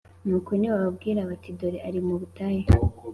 Nuko nibababwira bati Dore ari mu butayu